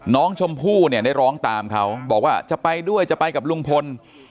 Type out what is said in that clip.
น้องชมพู่เนี่ยได้ร้องตามเขาบอกว่าจะไปด้วยจะไปกับลุงพล